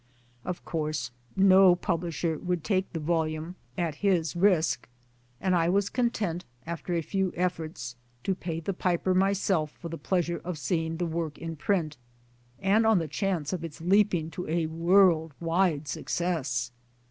Of course no publisher would take the volume at MY SISTER LIZZIF. CAMBRIDGE 71 his risk, and I was content, after a few efforts, to pay the piper myself for the pleasure of seeing the work in print, and on the chance of its leaping to a world wide success